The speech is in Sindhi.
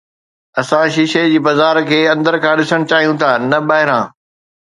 اسان شيشي جي بازار کي اندر کان ڏسڻ چاهيون ٿا نه ٻاهران